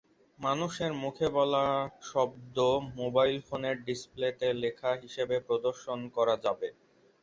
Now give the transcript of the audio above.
মানুষের মুখে বলা শব্দ মোবাইল ফোনের ডিসপ্লেতে লেখা হিসেবে প্রদর্শন করা যাবে।